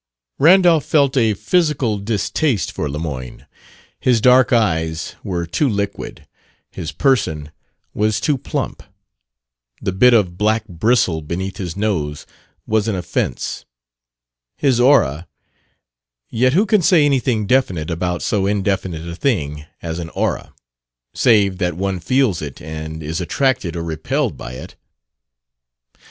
Randolph felt a physical distaste for Lemoyne. His dark eyes were too liquid; his person was too plump; the bit of black bristle beneath his nose was an offense; his aura Yet who can say anything definite about so indefinite a thing as an aura, save that one feels it and is attracted or repelled by it?